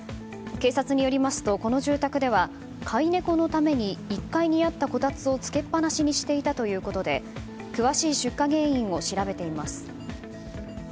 警察によりますと、この住宅では飼い猫のために１階にあったこたつをつけっぱなしにしていたということで詳しい出火原因を調べています。